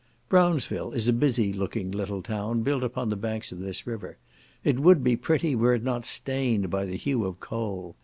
Brownsville is a busy looking little town built upon the banks of this river; it would be pretty, were it not stained by the hue of coal.